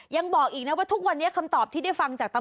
ยังบอกอีกนะว่าทุกวันนี้คำตอบที่ได้ฟัง